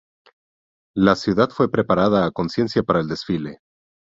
La ciudad fue preparada a conciencia para el desfile.